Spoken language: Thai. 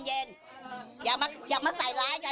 ก็ใจเย็นแล้วนี่ต้องการไม่ออกมาแล้ว